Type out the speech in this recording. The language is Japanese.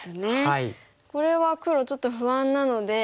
これは黒ちょっと不安なので逃げると。